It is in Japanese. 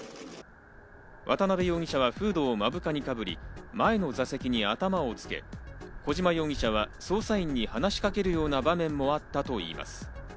渡辺容疑者はフードを目深にかぶり、前の座席に頭をつけ、小島容疑者は捜査員に話しかけるような場面もあったといいます。